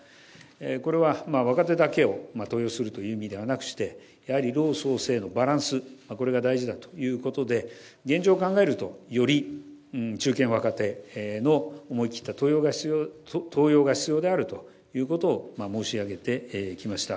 これは若手だけを登用するという意味ではなくして、やはり老壮青のバランス、これが大事だということで、現状を考えると、より中堅・若手の思い切った登用が必要であるということを申し上げてきました。